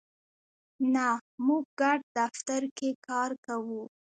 نه، موږ ګډ دفتر کی کار کوو